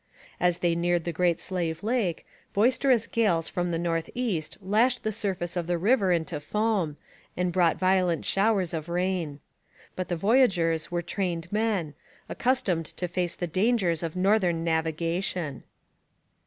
As they neared the Great Slave Lake boisterous gales from the north east lashed the surface of the river into foam and brought violent showers of rain. But the voyageurs were trained men, accustomed to face the dangers of northern navigation.